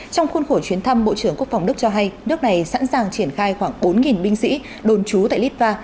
trong khuôn khổ chuyến thăm bộ trưởng quốc phòng đức cho hay nước này sẵn sàng triển khai khoảng bốn binh sĩ đồn trú tại litva